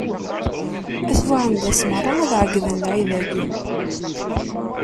At Buɛendas meṛṛa ad ɛeggden lɛid-agi.